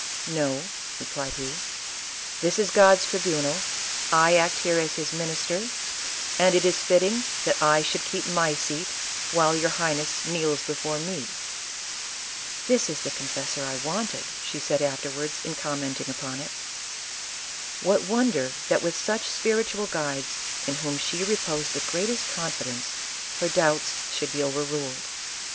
"No," replied he, "this is God's tribunal ; I act here as his minister, and it is fit ting that I should keep my seat while your Highness kneels before me." " This is the confessor I wanted," said she afterwards in commenting upon it. What wonder that with such spiritual guides, in whom she reposed the greatest confidence, her doubts should be overruled.